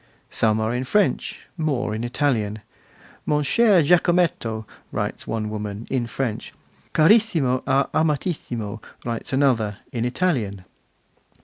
Some are in French, more in Italian. 'Mon cher Giacometto', writes one woman, in French; 'Carissimo a Amatissimo', writes another, in Italian.